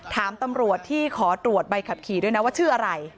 ถามตำรวจที่ขอตรวจใบขับขี่ด้วยนะว่าชื่ออะไร